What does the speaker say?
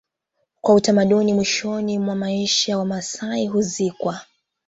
Kwa utamaduni mwishoni mwa maisha yao Wamasai huzikwa